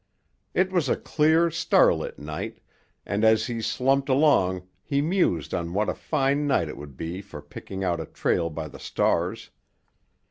It was a clear, starlit night, and as he slumped along he mused on what a fine night it would be for picking out a trail by the stars.